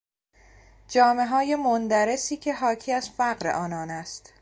جامههای مندرسی که حاکی از فقر آنان است